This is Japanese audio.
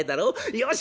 よし！